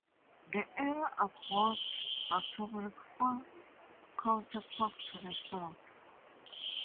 The area abuts Buttermilk Falls County Park to the south.